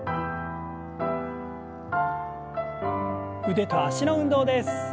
腕と脚の運動です。